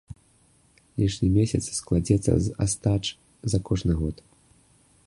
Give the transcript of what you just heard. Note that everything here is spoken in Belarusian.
Лішні месяц складзецца з астач за кожны год.